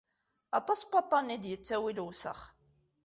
Aṭas n waṭṭanen i d-ittawi lewsex.